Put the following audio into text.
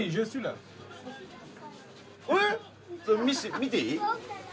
見ていい？